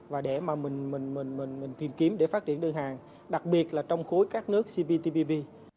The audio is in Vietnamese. và để mà mình tìm kiếm để phát triển đơn hàng đặc biệt là trong khối các nước cptpp